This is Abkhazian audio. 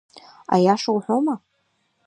Аиаша уҳәоума?